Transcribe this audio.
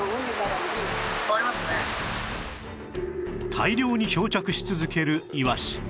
大量に漂着し続けるイワシ